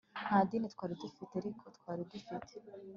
Nta dini twari dufite ariko twari dufite